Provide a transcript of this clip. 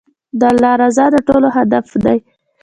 د الله رضا د ټولو هدف دی.